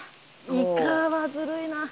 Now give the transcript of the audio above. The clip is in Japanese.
イカはずるいな。